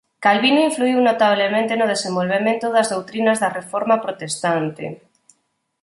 Calvino influíu notablemente no desenvolvemento das doutrinas da Reforma protestante.